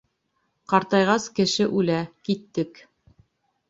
— Ҡартайғас, кеше үлә, киттек.